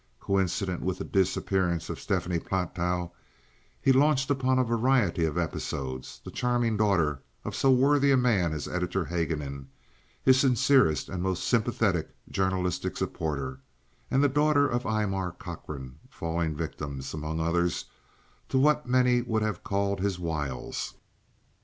Coincident with the disappearance of Stephanie Platow, he launched upon a variety of episodes, the charming daughter of so worthy a man as Editor Haguenin, his sincerest and most sympathetic journalistic supporter; and the daughter of Aymar Cochrane, falling victims, among others, to what many would have called his wiles.